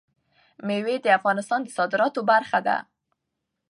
مېوې د افغانستان د صادراتو برخه ده.